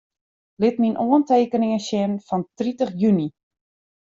Lit myn oantekeningen sjen fan tritich juny.